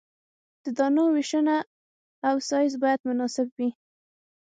د دانو ویشنه او سایز باید مناسب وي